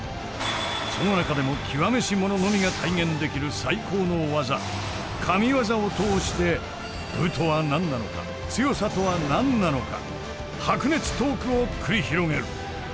その中でも極めし者のみが体現できる最高の技「神技」を通して武とは何なのか強さとは何なのか白熱トークを繰り広げる。